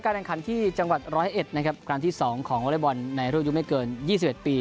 การแข่งขันที่จังหวัดร้อยเอ็ดนะครับกลางที่สองของวลัยบอลในร่วมยุคไม่เกินยี่สิบเอ็ดปี